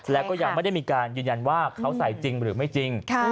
แล้วก็ยังไม่ได้มีการยืนยันว่าเขาใส่จริงหรือไม่จริง